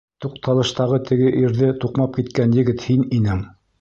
Туҡталыштағы теге ирҙе туҡмап киткән егет һин инең!